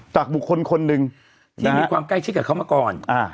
จากบุคคลคนหนึ่งที่มีความใกล้ชิดกับเขามาก่อน